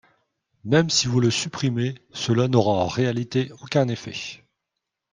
Même si vous le supprimez, cela n’aura en réalité aucun effet.